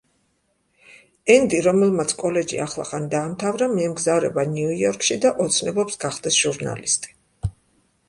ენდი, რომელმაც კოლეჯი ახლახან დაამთავრა, მიემგზავრება ნიუ-იორკში და ოცნებობს გახდეს ჟურნალისტი.